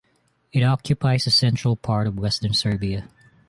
It occupies the central part of western Serbia.